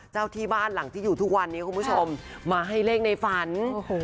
เจ้าที่บ้านหลังที่อยู่ทุกวันนี้คุณผู้ชมมาให้เลขในฝันโอ้โห